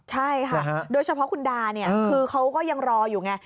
ใช่ค่ะโดยเฉพาะคุณดาเนี่ยคือเขาก็ยังรออยู่ไง